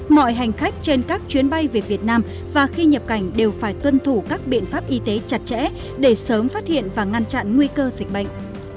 mọi hành khách trên các chuyến bay về việt nam và khi nhập cảnh đều phải tuân thủ các biện pháp y tế chặt chẽ để sớm phát hiện và ngăn chặn nguy cơ dịch bệnh